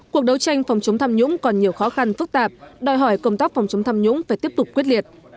cuộc đấu tranh phòng chống tham nhũng còn nhiều khó khăn phức tạp đòi hỏi công tác phòng chống tham nhũng phải tiếp tục quyết liệt